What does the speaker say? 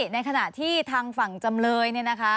ในขณะที่ทางฝั่งจำเลยเนี่ยนะคะ